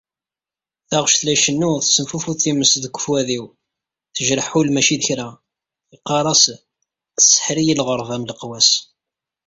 Taɣect la icennu tessenfufud times deg wefwad-iw, tejreḥ ul macci d kra. Yeqqar-as: tseḥr-iyi lɣurba m leqwas…